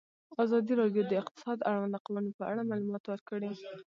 ازادي راډیو د اقتصاد د اړونده قوانینو په اړه معلومات ورکړي.